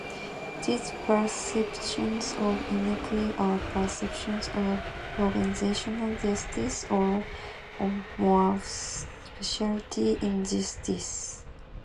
These perceptions of inequity are perceptions of organizational justice, or more specifically, injustice.